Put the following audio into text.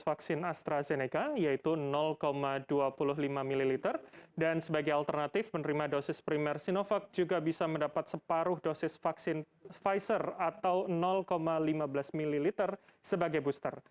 vaksin astrazeneca yaitu dua puluh lima ml dan sebagai alternatif penerima dosis primer sinovac juga bisa mendapat separuh dosis vaksin pfizer atau lima belas ml sebagai booster